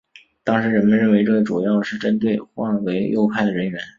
当时人们认为这主要是针对划为右派的人员。